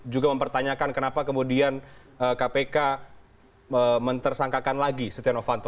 juga mempertanyakan kenapa kemudian kpk mentersangkakan lagi setia novanto